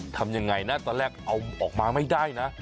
ทำยังไงนะตอนแรกเอาออกมาไม่ได้นะ